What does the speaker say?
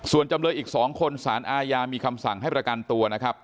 ส่วนจำเลยอีก๒คนสารอาญามีคำสั่งให้ประกันตัวนะครับ